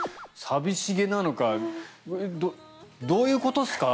寂しげなのかどういうことっすか？